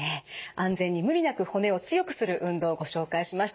安全に無理なく骨を強くする運動ご紹介しました。